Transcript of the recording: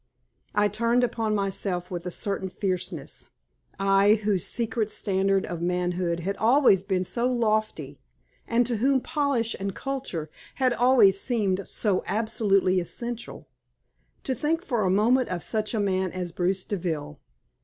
I turned upon myself with a certain fierceness. I, whose secret standard of manhood had always been so lofty, and to whom polish and culture had always seemed so absolutely essential, to think for a moment of such a man as Bruce Deville.